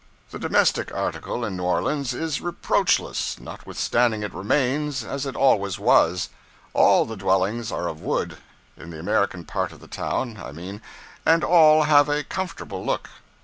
The domestic article in New Orleans is reproachless, notwithstanding it remains as it always was. All the dwellings are of wood in the American part of the town, I mean and all have a comfortable look.